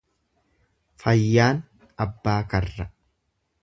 Fayyaan abbaa karra.